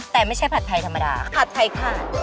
แต่ไม่ใช่ผัดไทยธรรมดาผัดไทยขาด